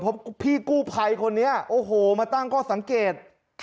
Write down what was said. เพราะพี่กู้ภัยคนนี้โอ้โหมาตั้งข้อสังเกต